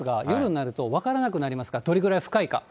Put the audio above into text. アンダーパスが夜になると分からなくなりますから、どれぐらい深いか。